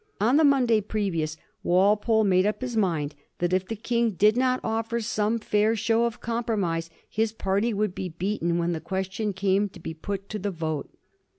On the Monday previ ous, Walpole made up his mind that if the King did not offer some fair show of compromise his party would be beaten when the question came to be put to the vote.